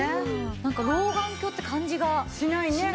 なんか老眼鏡って感じがしないですよね。